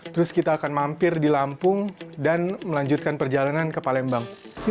terus kita akan mampir di lampung dan melanjutkan perjalanan ke palembang